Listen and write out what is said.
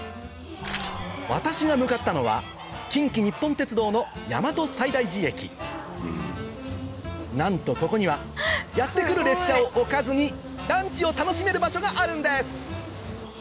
私が向かったのは近畿日本鉄道のなんとここにはやって来る列車をおかずにランチを楽しめる場所があるんです！